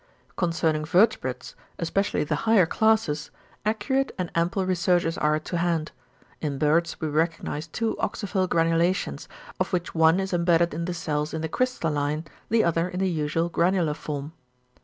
Concerning vertebrates, especially the higher classes, accurate and ample researches are to hand. In birds we recognise two oxyphil granulations, of which one is embedded in the cells in the crystalline, the other in the usual granular form.